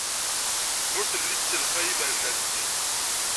Ur telli tessalqay imerjan-nni.